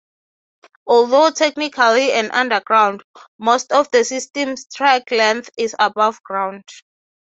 Although technically an underground, most of the system's track length is above ground.